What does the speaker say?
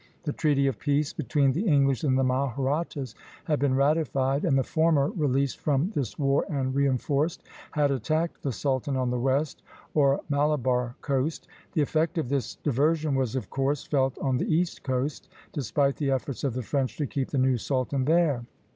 The treaty of peace between the English and the Mahrattas had been ratified; and the former, released from this war and reinforced, had attacked the sultan on the west, or Malabar, coast. The effect of this diversion was of course felt on the east coast, despite the efforts of the French to keep the new sultan there.